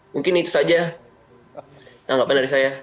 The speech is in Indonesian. mungkin itu saja tanggapan dari saya